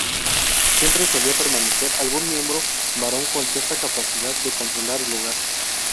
Siempre solía permanecer algún miembro varón con cierta capacidad de controlar el hogar.